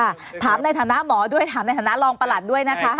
ถามในฐานะหมอด้วยถามในฐานะรองประหลัดด้วยนะคะ